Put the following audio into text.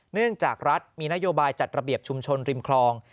เนื่องจากรัฐมีนโยบายจัดระเบียบชุมชนริมคลอง